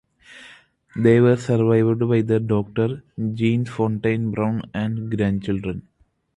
They were survived by their daughter Jean Fontaine Brown and grandchildren.